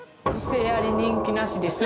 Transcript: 癖あり人気なしです